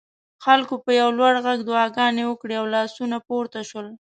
خلکو په یو لوړ غږ دعاګانې وکړې او لاسونه پورته شول.